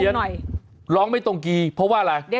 ร้องให้โง่งหน่อยร้องไม่ตรงทีเพราะว่าอะไร